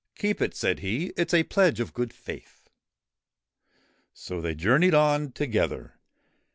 ' Keep it,' said he ;' it 's a pledge of good faith.' So they journeyed on together.